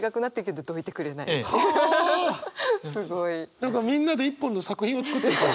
何かみんなで一本の作品を作ってる感じ。